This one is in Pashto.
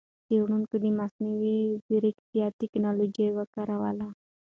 څېړونکو د مصنوعي ځېرکتیا ټکنالوجۍ وکاروله.